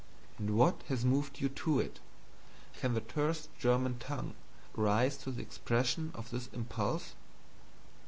And what has moved you to it? Can the terse German tongue rise to the expression of this impulse?